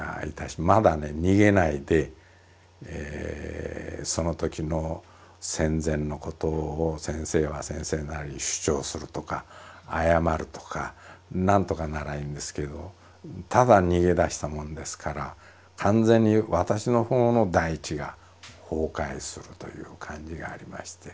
まだね逃げないでそのときの戦前のことを先生は先生なりに主張するとか謝るとかなんとかならいいんですけどただ逃げ出したもんですから完全に私のほうの大地が崩壊するという感じがありまして。